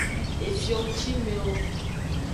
Efio ngcimewo.